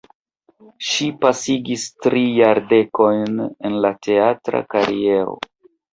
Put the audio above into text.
Ŝi pasigis tri jardekojn en la teatra kariero.